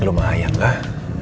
belum maen lah